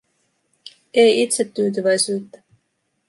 Ei itsetyytyväisyyttä.